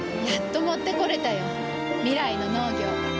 やっと持ってこれたよ。未来の農業。